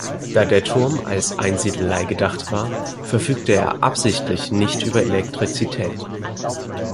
Da der Turm als Einsiedelei gedacht war, verfügte er absichtlich nicht über Elektrizität.